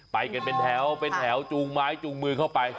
ไปกันเป็นแถวเป็นแถวจูงไม้จูงมือเข้าไป